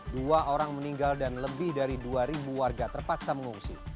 dua orang meninggal dan lebih dari dua warga terpaksa mengungsi